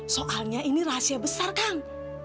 soalnya ini rahasia besar kang